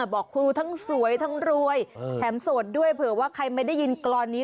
บอกครูทั้งสวยทั้งรวยแถมโสดด้วยเผื่อว่าใครไม่ได้ยินกรอนนี้